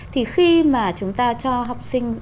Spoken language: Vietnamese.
thì khi mà chúng ta cho học sinh